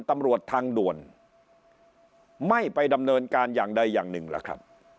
ตำรวจทางด่วนไม่ไปดำเนินการอย่างใดอย่างหนึ่งล่ะครับ